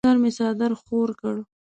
پر سر مې څادر خور کړ.